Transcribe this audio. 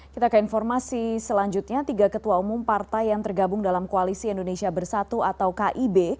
kita ke informasi selanjutnya tiga ketua umum partai yang tergabung dalam koalisi indonesia bersatu atau kib